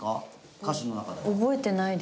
歌詞の中で。